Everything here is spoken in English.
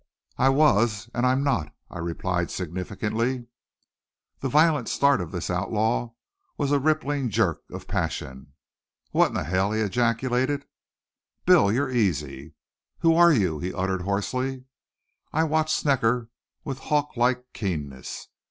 "I was and I'm not!" I replied significantly. The violent start of this violent outlaw was a rippling jerk of passion. "What'n hell!" he ejaculated. "Bill, you're easy." "Who're you?" he uttered hoarsely. I watched Snecker with hawk like keenness.